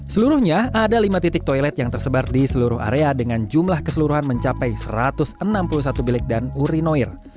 seluruhnya ada lima titik toilet yang tersebar di seluruh area dengan jumlah keseluruhan mencapai satu ratus enam puluh satu bilik dan urinoir